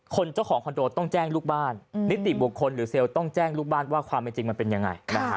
เจ้าของคอนโดต้องแจ้งลูกบ้านนิติบุคคลหรือเซลล์ต้องแจ้งลูกบ้านว่าความเป็นจริงมันเป็นยังไง